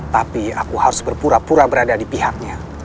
tapi aku harus berpura pura berada di pihaknya